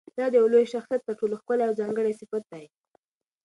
دا د یوه لوی شخصیت تر ټولو ښکلی او ځانګړی صفت دی.